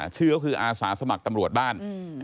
ชื่อก็คืออาสาสมัครตำรวจบ้าน